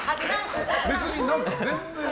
別に全然。